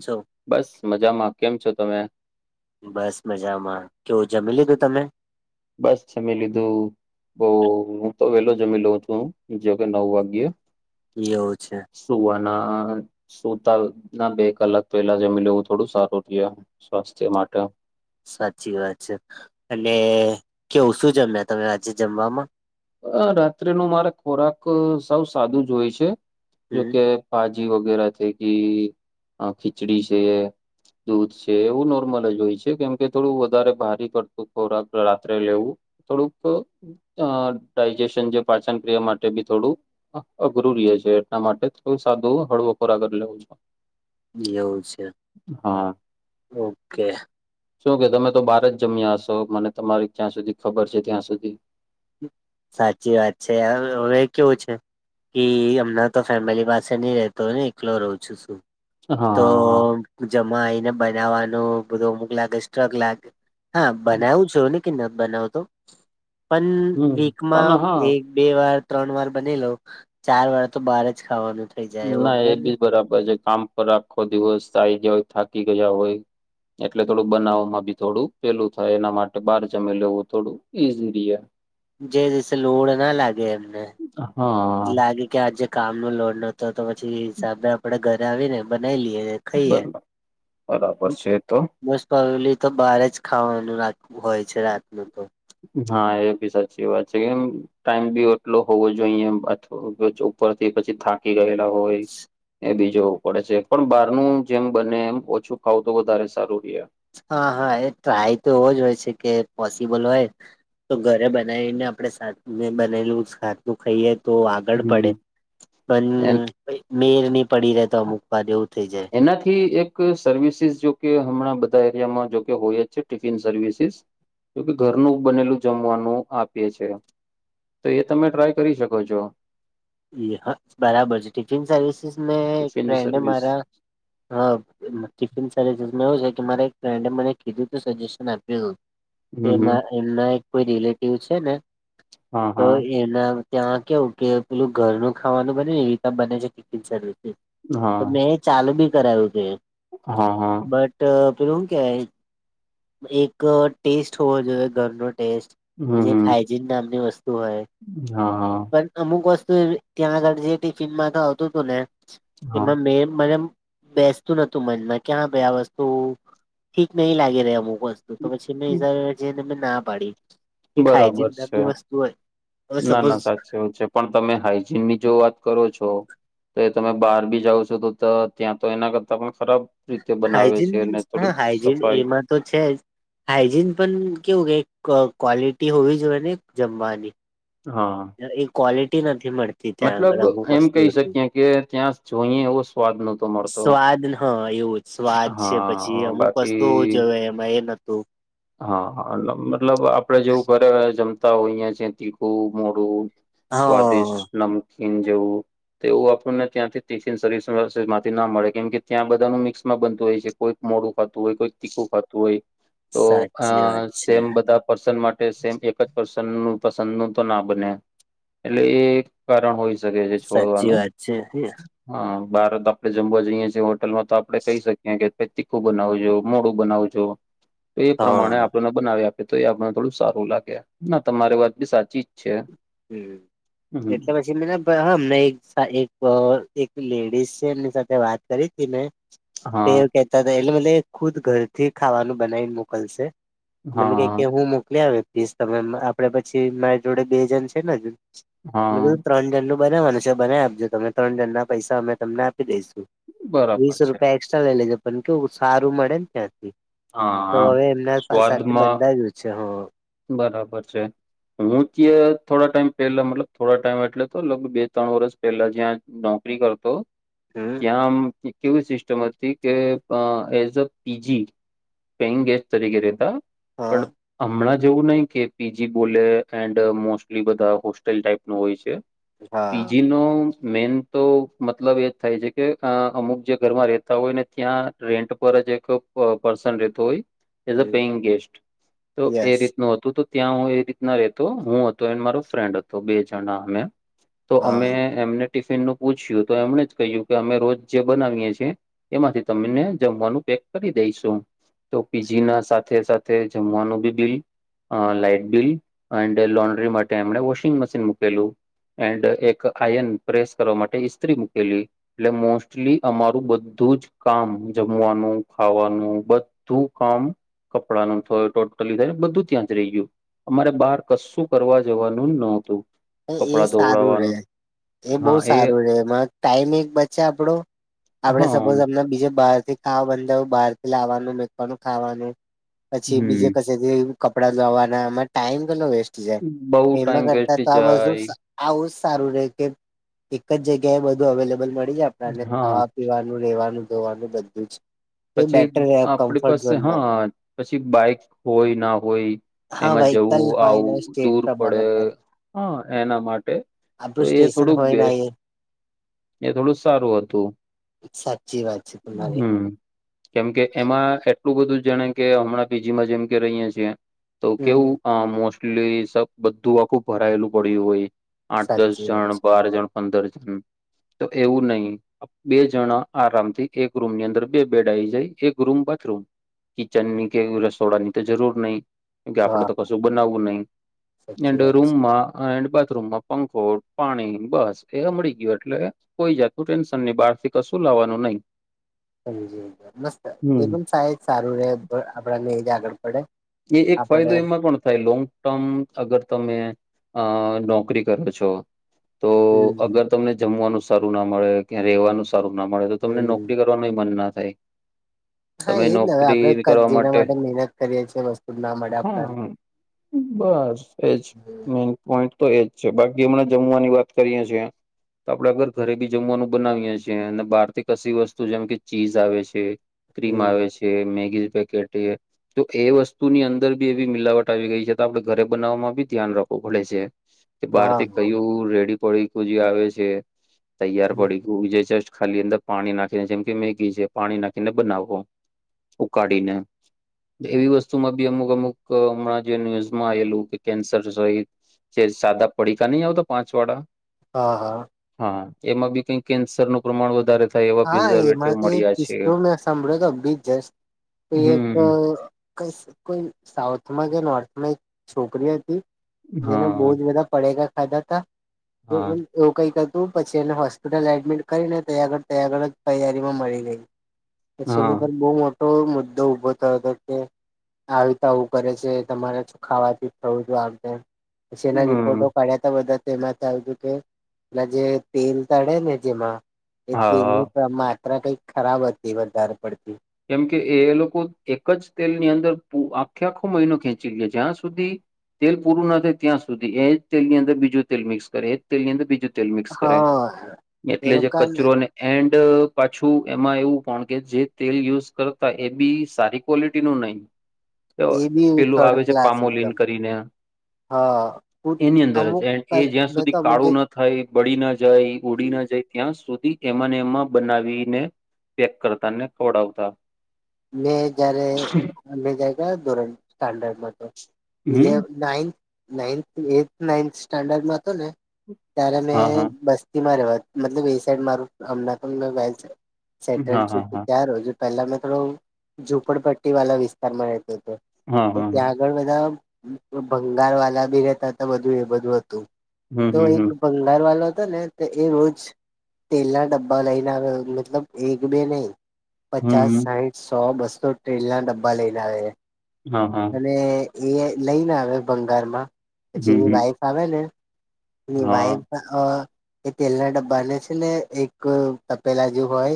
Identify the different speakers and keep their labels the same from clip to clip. Speaker 1: છો
Speaker 2: બસ મજામાં કેમ છો તમે?
Speaker 1: બસ મજામાં કેવું જમી લીધું તમે?
Speaker 2: બસ જમી લીધું. બઉ હું તો વેલો જમી લઉ છું જો કે નવ વાગ્યે
Speaker 1: એવું છે?
Speaker 2: સુવાના સુતા ના બે કલાક પહેલા જમી લેવું, થોડું સારું રહે. સ્વાસ્થ્ય માટે
Speaker 1: સાચી વાત છે. અને કેવું શું જમ્યા તમે આજે જમવામાં?
Speaker 2: અ રાત્રિનું મારે ખોરાક સૌ સાદું જ હોય છે. જોકે
Speaker 1: હમ
Speaker 2: ભાજી વગેરા થકી અ ખીચડી છે. દૂધ છે એવું નોર્મલ જ હોય છે. કેમ કે થોડું વધારે ભારી પડતું ખોરાક રાત્રે લેવું. થોડુંક ડાયજેશન જે પાચન ક્રિયા માટે બી થોડું અઘરું રીએ છે એટલા માટે થોડું સાદું હળવું ખોરાક જ લેવું છું
Speaker 1: એવું છે?
Speaker 2: હા
Speaker 1: ઓકે.
Speaker 2: શું કે તમે તો બાહર જ જમ્યા હશો. મને તમારી જ્યાં સુધી ખબર છે ત્યાં સુધી
Speaker 1: સાચી વાત છે હવે, કેવું છે? કી હમણા તો ફેમિલી પાસે રહતો હોયને એકલો રહું છું શું તો
Speaker 2: હા
Speaker 1: જમા આઈને બનાવાનું, બધું અમુક લાગે સ્ટ્રક લાગ હા બનાવું છે ને કે ન બનાવતો પણ
Speaker 2: હમ પણ
Speaker 1: વીકમાં
Speaker 2: હા
Speaker 1: એક બે વાર, ત્રણ વાર બની લોઉ ચાર વાર તો બાહર જ ખાવાનું છે.
Speaker 2: ના એ બી બરાબર છે કામ પર આખો દિવસ આ આવી ગયા હોય, થાકી ગયા હોય. એટલે થોડું બનાવમાં બી થોડું પેલું થાય, એના માટે બાહર જમી લેવું થોડું ઈઝી રીએ
Speaker 1: જે દિવસે લોડ ના લાગે એમને
Speaker 2: હા
Speaker 1: લાગે કે આજે કામનું લોડ ન તો તો પછી સાજે આપડે ઘરે આવીને બનાવી લઈએ. ખાઈએ
Speaker 2: બર બરાબર છે એ તો
Speaker 1: મોસ્ટ પ્રોબેબલ્યી તો બહાર જ ખાવાનુ રાખલું હોય છે. રાતનું તો-
Speaker 2: હા, એ બી સાચી વાત છે. કેમ? ટાઈમ બી એટલો હોવો જોઈએ. ઉપરથી પછી થાકી ગયે લા હોય. એ બીજો પડે છે, પણ બહારનું જેમ બને એમ, ઓછું ખાવું તો વધારે સારુંરી.
Speaker 1: હા હા. એ ટ્રાય તો એવો જ હોય છે. કે પોસિબલ હોય. તો ઘરે બનાવીને, આપણે સા મેં બનેલું સાતું ખાઈએ. તો આગળ
Speaker 2: હમ
Speaker 1: પડે, પણ
Speaker 2: એન
Speaker 1: મેર નહી પડી રહે.
Speaker 2: એનાથી એક સર્વિસીસ જોકે હમણાં બધા એરિયામાં જોકે હોય જ છે ટિફિન સર્વિસીસ જોકે ઘરનું બનેલું જમવાનું આપીએ છે. તો એ તમે ટ્રાય કરી શકો છો.
Speaker 1: બરાબર છે ટિફિન સર્વિસીસ એક
Speaker 2: ટિફિન
Speaker 1: ફ્રેન્ડ
Speaker 2: સર્વિસ
Speaker 1: મારા હા ટિફિન સર્વિસીસમાં એવું છે કે મારે એક ફ્રેન્ડ મને કીધું તું સજેશન આપ્યું હતું. એ
Speaker 2: હમ હમ
Speaker 1: એમના એક કોઈ રિલેટિવ છે ને
Speaker 2: હા
Speaker 1: તો
Speaker 2: હા
Speaker 1: એના ત્યાં કેવું કે પેલું ઘરનું ખાવાનું બને ને એવી ત બને ટિફિન સર્વિસીસ
Speaker 2: હા
Speaker 1: તો મેં ચાલુ બી કરાવું છે.
Speaker 2: હા હા.
Speaker 1: બટ પેલું હું કેવાય એક ટેસ્ટ હોવો જોઈએ ઘરનો ટેસ્ટ
Speaker 2: હમ
Speaker 1: જે એક
Speaker 2: હમ
Speaker 1: હાઈજીન નામની વસ્તુ હોય.
Speaker 2: હા હા.
Speaker 1: પણ અમુક ત્યાં આગળ જે ટિફિનમાં તો આવતું ને
Speaker 2: હા
Speaker 1: એમાં મે મને બેસતું નતું મનમાં ક્યા ભાઈ આ વસ્તુ ઠીક નહિ લાગી રેય અમુક વસ્તુ. તો પછી મેં હિસાબે જઈને મેં ના પાડી. એક હાઈજીન
Speaker 2: બરાબર છે.
Speaker 1: નામની વસ્તુ હોય હવે
Speaker 2: ના
Speaker 1: સપોઝ
Speaker 2: ના સાચ એવું છે. પણ તમે હાાઈજીન ની જો વાત કરો છો. તો એ તમે બહાર બી જાાવ છો તો ત્યાં તો એના કરતા પણ ખરાબ રીતે બનાવે
Speaker 1: હાઈજીન
Speaker 2: છે અનેને
Speaker 1: મીન્સ હા
Speaker 2: થોડીક
Speaker 1: હાઈજીન
Speaker 2: સફાઈ
Speaker 1: એમાં તો છે જ હાાઈજીન પણ કેવું કે ક્વોલિટી હોવી જોઈએ ને જમવાની
Speaker 2: હા.
Speaker 1: એ ક્વોલિટી નથી મળ તી ત્યાં
Speaker 2: મતલબ
Speaker 1: આગળ અમુક
Speaker 2: એમ
Speaker 1: વસ્તુ
Speaker 2: કહી
Speaker 1: હતું
Speaker 2: શકીએ કે ત્યાં જોઈએ એવો સ્વાદ નહોતો મળતો
Speaker 1: સ્વાદ હ એવું સ્વાદ છે. પછી
Speaker 2: હા
Speaker 1: અમુક વસ્તુ
Speaker 2: બાકી
Speaker 1: જોવે એમાં એ નતું
Speaker 2: હા મતલબ આપડે જેવું ઘરે જમતા હોય અહંયા જે તીખું મોડું
Speaker 1: હા
Speaker 2: સ્વાદિષ્ટ નમકીન જેવું તો એવું આપણને ત્યાંથી તિફિન સર્વિસ માંથી ના મળે કેમ કે ત્યાં બધાનું મિક્સમાં બનતુ હોય છે. કોઈક મોડું ખાતું હોય કોઈ તીખું ખાતું હોય તો અ
Speaker 1: સાચી વાત છે
Speaker 2: સેમ બધા પર્સન માટે સેમ એક જ પર્સન ન પસંદ નું તો ના બને. એટલે એ કારણ હોઈ શકે છે
Speaker 1: સાચી
Speaker 2: છોડવાનું
Speaker 1: વાત છે
Speaker 2: હા બાર જમવા જઇએ છીએ હોટલમાં તો આપડે કઈ શકીએ કે તીખું બનાવવું જો મોડું બનાવજો તો એ
Speaker 1: હા
Speaker 2: પ્રમાણે આપણને બનાવી આપે તો એ આપણ થોડું સારું લાગે ના તમારી વાત બી સાચી જ છે.
Speaker 1: હમ
Speaker 2: હમ
Speaker 1: એટલે પછી બને હાં એક એક લેડીઝ છે એમની સાથે વાત કરી હતી મેં તે
Speaker 2: હા
Speaker 1: કેહેતા હતા એટલે એ ખુદ ઘરથી ખાવાનું બનાવી મોકલશે મને
Speaker 2: હા
Speaker 1: કે હું મોકલી આપીશ તમે આપડે પછી મારી જોડે બે જણ છે ને હજુ મેં
Speaker 2: હા
Speaker 1: કીધું ત્રણ જણનું બનાવાનું છે બનાવી આપજો તમે ત્રણ જણના પૈસા અમે તમને આપી દઈશું.
Speaker 2: બરાબર
Speaker 1: વીસ
Speaker 2: છે
Speaker 1: રૂપિયા એક્સ્ટ્રા લઈ લેજો પણ કેવુ સારું મળેન ત્યાંથી
Speaker 2: હા
Speaker 1: તો
Speaker 2: હા
Speaker 1: હવે એમના
Speaker 2: સ્વાદમાં
Speaker 1: [unintelligible]
Speaker 2: બરાબર છે. હું ત્ય થોડા ટાઈમ પેલા મતલબ થોડા ટાઈમ એટલે તો લગભગ બે ત્રણ વર્ષ પહેલા જ્યાં નોકરી કરતો
Speaker 1: હમ્મ,
Speaker 2: ત્યાં આમ કેવી સિસ્ટમ હતી કે એઝ અ પીજી મેઈન ગેસ્ટ તરીકે રેતા
Speaker 1: હા
Speaker 2: પણ હમણાં જેવું નહીં કે પીજી બોલે એન્ડ મોસ્ટલી બધા હોસ્ટેલ ટાઈપનું હોય છે.
Speaker 1: હા
Speaker 2: પીજીનો મેન તો મતલબ એજ થાય છે કે અ અમુક જે ઘરમાં રહેતા હોય ને ત્યાં રેન્ટ પર જ એક પર્સન રહેતો હોય એઝ અ પેઈંગ ગેસ્ટ તો એ
Speaker 1: યસ
Speaker 2: રીતનું હતું તો ત્યાં હું એ રીતના રહેતો હું હતો એને મારો ફ્રેન્ડ હતો બે જણા અમે તો અમે
Speaker 1: હા
Speaker 2: એમને ટિફિનનું પૂછ્યું તો એમણે જ કહ્યું કે અમે રોજ જે બનાવીએ છીએ, એમાંથી તમને જમવાનું પેક કરી દઈશું. તો પીજીના સાથે સાથે જમવાનું બી લ, અ લાઈટ બિલ એન્ડ લોન્ડ્રી માટે એમણે વોશિંગ મશીન મૂકેલું. એન્ડ એક આયર્ન પ્રેસ કરવા માટે ઈસ્ત્રી મૂકેલી એટલે મોસ્ટલી અમારું બધું જ કામ જમવાનું ખાવાનું બધું કામ કપડાનું હવે ટો ટલી થાય બધું ત્યાં જ રહી ગયું અમારે બહાર કશું કરવા જવાનું નહોતું.
Speaker 1: એ
Speaker 2: કપડાં
Speaker 1: સારું રે
Speaker 2: ધોવડાવવાનું
Speaker 1: એ બહુ સારું રે એમાં ટાઈમ એક બચે આપડો, આપડે
Speaker 2: હા
Speaker 1: સપોઝ અમને બીજે બહારથી ખાવ બંધાવું બહારથી લાવવાનું મેકવાનું ખાવાનું પછી બીજે
Speaker 2: હમ
Speaker 1: ક કપડા ધોવાના એમાં ટાઈમ કેટલો વેસ્ટ જાય
Speaker 2: બઉ
Speaker 1: એમાં
Speaker 2: ટાઈમ વેસ્ટ
Speaker 1: કરતા તો આ બધું
Speaker 2: જાય
Speaker 1: આવું જ સારું રે કે એક જ જગ્યાએ બધું અવેલેબલ મળી જાય આપ ડાને
Speaker 2: હા
Speaker 1: ખાવા, પીવાનું, રેવાનું, ધોવાનું બધું જ એ
Speaker 2: પછી
Speaker 1: બેટર રહે
Speaker 2: આપડી
Speaker 1: કમ્ફર્ટ
Speaker 2: પાસે
Speaker 1: ઝોનમાં
Speaker 2: હા પછી બાઈક હોય ના હોય
Speaker 1: હા
Speaker 2: એમાં
Speaker 1: વ્હીકલ
Speaker 2: જવું
Speaker 1: હોય ને
Speaker 2: આવું
Speaker 1: સ્ટેટ
Speaker 2: દૂર પડે
Speaker 1: પ્રમાણે પણ
Speaker 2: હ એના માટે તો
Speaker 1: આપણું
Speaker 2: એ
Speaker 1: સ્ટેશન
Speaker 2: થોડુંક
Speaker 1: હોય ને
Speaker 2: બેસ્ટ
Speaker 1: એ
Speaker 2: એ થોડું સારું હતું
Speaker 1: સાચી વાત છે તમારી
Speaker 2: હમ્મ. કેમ કે એમાં એટલું બધું જ જાણે કે હમણાં પીજીમાં જેમ કે રહીએ છીએ, તો
Speaker 1: હમ
Speaker 2: કેવું અ મોસ્ટલી બધું સબ આખું ભરાયેલું પડ્યું હોય. આઠ-દસ
Speaker 1: સાચી વાત
Speaker 2: જણ બાર જણ પંદર જણ તો એવું નહી બે જણાં આરામથી એક રૂમ ની અંદર બે બેડ આવી જાય એક રૂમ બાથરૂમ
Speaker 1: છે
Speaker 2: કિચનની કે રસોડાની તો જરૂર નહી કેમકે આપડે
Speaker 1: હા
Speaker 2: તો
Speaker 1: હા
Speaker 2: કશું બનાવવું નહી
Speaker 1: સાચી
Speaker 2: એન્ડ
Speaker 1: વાત
Speaker 2: રૂમમાં એન્ડ બાથરૂમમાં પંખો પાણી બસ એ મળી ગયો એટલે કોઈ જાતનું ટેન્શનની બહારથી કશું લાવવાનું નય.
Speaker 1: સમજી ગયો મસ્ત એકદમ સા સારું રે આપડાને એ જ આગળ પડે.
Speaker 2: એ એક
Speaker 1: આપડે
Speaker 2: ફાયદો એમાં પણ થાય લોંગ- ટર્મ અગર તમે અ નોકરી કરો છો તો
Speaker 1: હમ
Speaker 2: અગર તમને જમવાનું સારું ના મળે ક્યા રેવાનું સારું ના મળે તો તમને
Speaker 1: હમ
Speaker 2: નોકરી કરવાનું યે મન ના થાય.
Speaker 1: હા
Speaker 2: તમે
Speaker 1: એજને અવે,
Speaker 2: નોકરી
Speaker 1: આપડે
Speaker 2: કરવા
Speaker 1: [unintelligible] જેના માટે મેહનત કરીએ છીએ [unintelligible] આપડાને
Speaker 2: હા બસ એજ
Speaker 1: હમ
Speaker 2: મેં પોઈન્ટ તો એજ છે બાકી અમના જમવાની વાત કરીય છીએ. તો આપડે અગર ઘરે બી જમવાનું બનાવીએ સીએ અને બારથી કશી વસ્તુ જેમ કે ચીઝ આવે સે. ક્રીમ આવે સે, મેગી પેકેટ એ તો એ વસ્ તુની અંદર બી એવી મિલાવટ આવી ગઈ છે તો આપણે ઘરે બનાવવામાં બી ધ્યાન રાખવું પડે છે. કે
Speaker 1: હા
Speaker 2: બારથી
Speaker 1: હા
Speaker 2: કયું રેડી પડીકુ જે આવે છે, તૈયાર પડી જે જસ્ટ ખાલી અંદર પાણી નાખીને જેમ કે મેગી છે, પાણી નાખીને બનાવવો. ઉકાડીને એવી વસ્, તુમાં બી અમુક અમુક હમણાં જે ન્યુઝમાં આવેલું કે કેન્સર સો, જે સાદા પડીકા નહી આવતા, પાંચ વાળા.
Speaker 1: હા હા.
Speaker 2: હા, એમાં બી કઈ કેન્સરનું પ્રમાણ વધારે થાય એવા
Speaker 1: હા
Speaker 2: પ્રિઝર્વેટિવ
Speaker 1: એમાં તો એક
Speaker 2: મળ્યા છે
Speaker 1: કિસ્સો મેં સાંભળેલો. બી જસ્ટ તો એક અ
Speaker 2: હમ
Speaker 1: કઈ કોઈ સાઉથમાં કે નોર્થમાં એક છોકરી હતી, જેણે બોજ
Speaker 2: હા
Speaker 1: બધા પડેકા ખાધા તા. તો
Speaker 2: હા
Speaker 1: એમ એવું કંઈક હતું પછી એને હોસ્પિટલ એડમિટ કરીને તઈ આગ, તૈ આગળ જ તૈયારીમાં મળી ગઈ. પછી
Speaker 2: હા
Speaker 1: એની પર બવ [unintelligible]
Speaker 2: [inaudible]
Speaker 1: [unintelligible] આવી રીતના આવું કરે છે તમારે છ, ખાવાથી થયુ છે આમ તેમ પછી એના
Speaker 2: હમ
Speaker 1: રિપોર્ટો કઢ્યાતા બધા. તેમાંથી આયુતું કે જે તેલ તળે ને જેમાં એ
Speaker 2: હા
Speaker 1: તેલની [unintelligible] માત્રા કઈક ખરાબ હતી વધારે પડતી.
Speaker 2: કેમ કે એ એ લોકો એક જ તેલની અંદર પૂ આખે આખો મહિનો ખેંચી લે જ્યાં સુધી, તેલ પૂરું ના થાય ત્યાં સુધી, એ જ તેલની અંદર બીજું તેલ મિક્સ કરે એજ તેલની અંદર બીજું, તેલ મિક્સ કરે,
Speaker 1: હા
Speaker 2: એટલે
Speaker 1: એ
Speaker 2: જે
Speaker 1: લોકોને
Speaker 2: કચરોને, એન્ડ પાછું એમાં એવું પણ કે જે, તેલ યુઝ કરતા એ બી સારી ક્વોલિટીનું નઈ. તો
Speaker 1: એ બી
Speaker 2: પેલું આવે
Speaker 1: થર્ડ
Speaker 2: છે,
Speaker 1: ક્લાસ
Speaker 2: પામોલિન
Speaker 1: એકદમ
Speaker 2: કરીને.
Speaker 1: હા હું
Speaker 2: એની અંદર જ
Speaker 1: અમુક
Speaker 2: એ એ જ્યાં
Speaker 1: મેં તો
Speaker 2: સુધી
Speaker 1: અમુક
Speaker 2: કાળું ન, થાય, બળી ન જાય, ઉડી ન જાય, ત્યાં સુધી. એમાંને એમાં બનાવીને પેક કરતાને ખવડાવતા.
Speaker 1: મેં જયારે અમે જાય [unintelligible] ધોરણ સ્ટાન્ડમાં તો, ઈલેવ,
Speaker 2: હમ
Speaker 1: નાઈન્થ, નાઈન્થ, એથ, નાઈન્થ સ્ટાન્ડર્ડમાં હતો ને, ત્યારે
Speaker 2: હા
Speaker 1: મેં
Speaker 2: હા
Speaker 1: બસ્તીમાં રહેવા મતલબ એ સાઈડ મારુ હમણાં તો [unintelligible] સેટલ
Speaker 2: હા
Speaker 1: છે
Speaker 2: હા
Speaker 1: કે
Speaker 2: હા
Speaker 1: ત્યાંર હજુ પેલા મેં થોડું, ઝોપડપટ્ટી વાલા વિસ્તારમાં રહેતો તો.
Speaker 2: હા
Speaker 1: તો
Speaker 2: હા હા
Speaker 1: ત્યાં, આગળ બધા ભંગારવાલા બી રેતા તા, બધું એ બધું હતું.
Speaker 2: હમ
Speaker 1: તો
Speaker 2: હમ
Speaker 1: એક
Speaker 2: હમ
Speaker 1: બંગાર વાલો હતો ને, ત એ રોજ તેલના ડબ્બા લઈને આવે મતલબ એક બે નઈ,
Speaker 2: હમ
Speaker 1: પચાસ,
Speaker 2: હમ
Speaker 1: સાહીઠ, સો, બસો ટેલના ડબ્બા લઈને આવે.
Speaker 2: હા હા.
Speaker 1: તે એ લઈને આવે ભંગારમાં પછી
Speaker 2: હમ
Speaker 1: એની
Speaker 2: હમ
Speaker 1: વાઈફ આવે ને, એની
Speaker 2: હા
Speaker 1: વાઈફ અ એ તેલના ડબ્બાને છેને એક તપેલા જે હોય,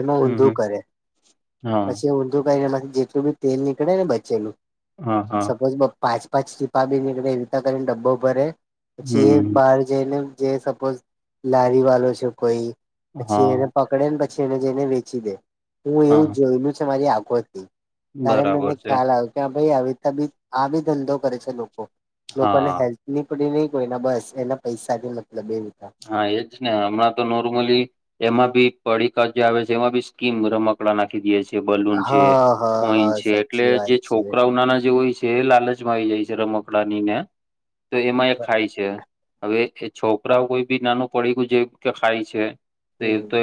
Speaker 1: એમાં
Speaker 2: હમ હમ
Speaker 1: ઊંધું કરે.
Speaker 2: હા
Speaker 1: પછી ઊંધું કરીને એમાંથી જેટલું બી તેલ નીકળેને બચેલું.
Speaker 2: હા હા
Speaker 1: સપોઝ પાંચ પાંચ ટીપા બી નીકળે એવીતા કરીને ડબ્બો ભરે પછી
Speaker 2: હમ
Speaker 1: બહાર જઈને જે સપોઝ લારી વાળો છે કોઈ પછી
Speaker 2: હા
Speaker 1: એને પકડે ને પછી એને જઈને વેચી દે હું
Speaker 2: હા
Speaker 1: એવું જોયેલું છે મારી આંખોથી ત્યારે મને
Speaker 2: બરાબર છે
Speaker 1: ખ્યાલ આવ કે ભાઈ આવી બી આ બી ધંધો કરે છે લોકો લોકોને
Speaker 2: હા
Speaker 1: હેલ્થ ની પડી નહી કોઈના બસ એના પૈસાની મતલબ એ રીત ના
Speaker 2: હા એજ ને હમણાં તો નોર્મલી એમાં બી પડીકા જે આવે છે એમાં બી સ્કીમ રમકડા નાખી દે છી બલૂન છે
Speaker 1: હા હા
Speaker 2: કોઈન
Speaker 1: હા
Speaker 2: છે એટલે
Speaker 1: સાચી
Speaker 2: જે
Speaker 1: વાત છે
Speaker 2: છોકરાઓ નાના જે છે લાલચ આવી જાય છે રમકડાનીને એમાં એ ખાય છે હવે છોકરાઓ કોઈ બી નાનું પડી ગું જે કે ખાય છે તો એ
Speaker 1: હમ
Speaker 2: તો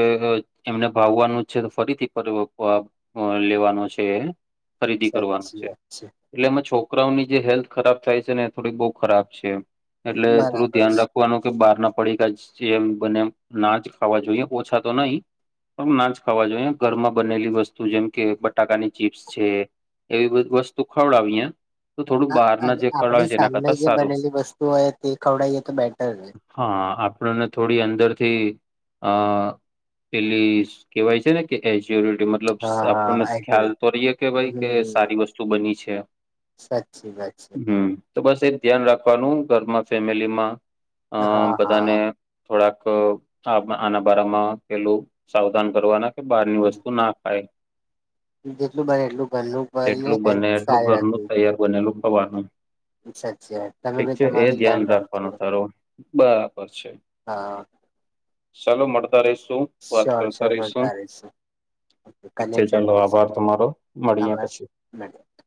Speaker 2: એમને ભાવનાનું જ છે ફરીથી ફ અ લેવાનુ છે. ખરીદી કરવાનું
Speaker 1: સાચી
Speaker 2: છે.
Speaker 1: વાત
Speaker 2: એટલે એમાં છોકરાઓની જે હેલ્થ ખરાબ થાય છે ને એ થોડી બઉુ ખરાબ છે એટલે થોડું
Speaker 1: બરાબર
Speaker 2: ધ્યાન રાખ વાનું કે બહાર ના પડીમ બને ના જ ખાવા જોઈએ ઓછા તો નહી ના જ ખાવા જોઈએ ઘરમાં બનેલી વસ્તુ જેમ કે બટાકાની ચીપ્સ છે. એવી બધી વસ્તુ ખવડાવીએ તો થોડું
Speaker 1: હ
Speaker 2: બહારના જે ખવડાવે
Speaker 1: આપડી
Speaker 2: છે એના
Speaker 1: સામને
Speaker 2: કરતા
Speaker 1: જે
Speaker 2: સારું
Speaker 1: બનેલી વસ્તુ હોય તે ખવડાવએ તો બેટર રે.
Speaker 2: હા આપણને થોડી અંદરથી અ એેલી કેહેવાય છે ને કે એટીમાં મતલબ
Speaker 1: હા
Speaker 2: આપણને
Speaker 1: હા
Speaker 2: ખ્યાલ
Speaker 1: એક્યુરેટ.
Speaker 2: તો રહીએે કે ભાઈ કે
Speaker 1: હમ
Speaker 2: સારી વસ્તુ બની છે.
Speaker 1: સાચી વાત છે
Speaker 2: હમ તો બસ એ ધ્યાન રાખવાનું ઘરમાં ફેમિલીમાં અ
Speaker 1: હા
Speaker 2: બધાને
Speaker 1: હા
Speaker 2: થોડાક આ આના બારામાં પેલું સાવધાન કરવાના. બહાર ની વસ્તુ ના ખાય.
Speaker 1: જેટલું બને એટલું ઘરનું બને
Speaker 2: જેટલું
Speaker 1: હેલ્થ
Speaker 2: એટલું
Speaker 1: સારી
Speaker 2: ઘરનું
Speaker 1: રહેશે
Speaker 2: તૈયાર બનેલું ખવાનું
Speaker 1: વાત તમે
Speaker 2: ઠીક
Speaker 1: બી
Speaker 2: છે એ
Speaker 1: તમારું
Speaker 2: ધ્યાન રાખવાનું
Speaker 1: રાખજો
Speaker 2: તારો બરાબર છે.
Speaker 1: હા
Speaker 2: ચાલો મળતા રહીશું વાત કરતા રહીશું. ઠીક છે
Speaker 1: કનેક્ટેડ
Speaker 2: ચાલો
Speaker 1: રહીશું
Speaker 2: આભાર તમારો મળીએ
Speaker 1: આભાર
Speaker 2: પછી.
Speaker 1: [inaudible]